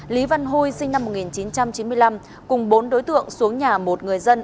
lý văn hô sinh năm một nghìn chín trăm chín mươi năm cùng bốn đối tượng xuống nhà một người dân